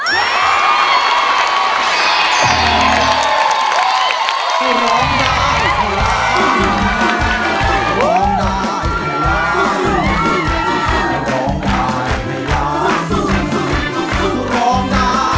การตัดผลของนิ่ม